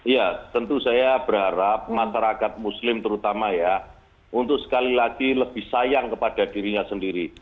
ya tentu saya berharap masyarakat muslim terutama ya untuk sekali lagi lebih sayang kepada dirinya sendiri